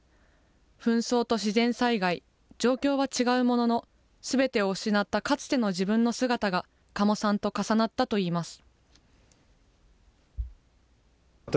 紛争と自然災害、状況は違うものの、すべてを失ったかつての自分の姿が、嘉茂さんと重なったといいます。